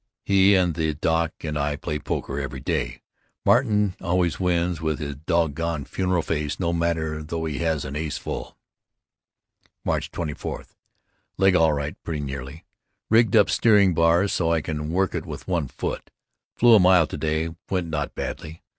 He and the doc and I play poker every day, Martin always wins with his dog gone funeral face no matter tho he has an ace full. March 24: Leg all right, pretty nearly. Rigged up steering bar so I can work it with one foot. Flew a mile to day, went not badly.